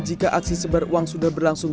jika aksi sebar uang sudah berlangsung